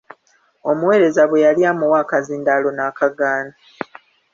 Omuweereza bwe yali amuwa akazindaala n'akagaana.